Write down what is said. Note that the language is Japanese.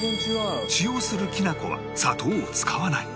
使用するきな粉は砂糖を使わない